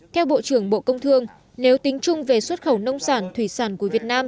theo bộ trưởng bộ công thương nếu tính chung về xuất khẩu nông sản thủy sản của việt nam